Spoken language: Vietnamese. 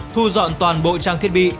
thu dọn toàn bộ trang thiết bị